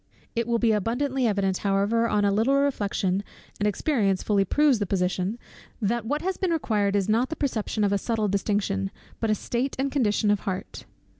It will be abundantly evident however on a little reflection, and experience fully proves the position, that what has been required is not the perception of a subtile distinction, but a state and condition of heart.